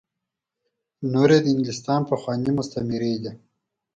نور یې د انګلستان پخواني مستعميري دي.